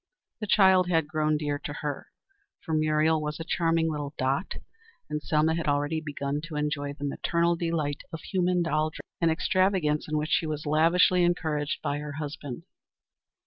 The child had grown dear to her, for Muriel was a charming little dot, and Selma had already begun to enjoy the maternal delight of human doll dressing, an extravagance in which she was lavishly encouraged by her husband.